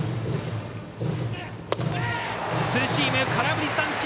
ツーシーム、空振り三振！